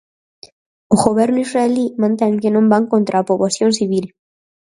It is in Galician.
O Goberno israelí mantén que non van contra a poboación civil.